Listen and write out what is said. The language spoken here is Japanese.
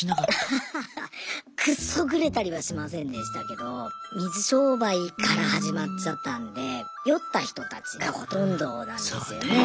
アハハハッくっそグレたりはしませんでしたけど水商売から始まっちゃったんで酔った人たちがほとんどなんですよね。